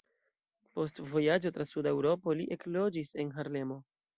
Post vojaĝo tra Suda Eŭropo li ekloĝis en Harlemo.